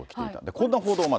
こんな報道まで。